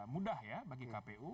mudah ya bagi kpu